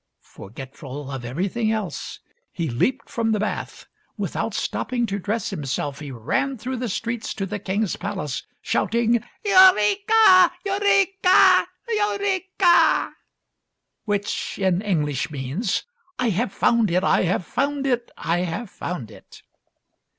" Forgetful of everything else he leaped from the bath. Without stopping to dress himself, he ran through the streets to the king's palace shouting, " Eureka ! Eureka ! Eureka !" which in English means, " I have found it ! I have found it ! I have found it!"